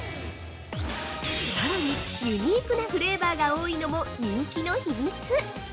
さらに、ユニークなフレーバーが多いのも人気の秘密。